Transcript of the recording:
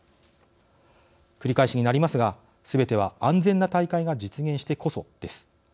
繰り返しになりますがすべては安全な大会が実現してこそです。